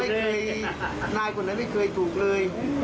ไม่เคยนายคนนั้นไม่เคยถูกเลย